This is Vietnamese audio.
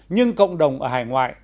nhưng cộng đồng ở hải ngoại